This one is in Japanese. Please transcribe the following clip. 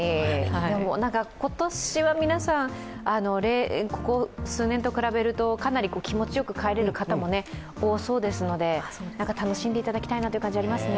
今年は皆さん、ここ数年と比べるとかなり気持ちよく帰れる方も多そうですので楽しんでいただきたいなという感じがありますね。